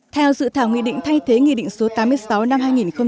theo dự thảo nghị định thay thế nghị định số tám mươi sáu năm hai nghìn một mươi bảy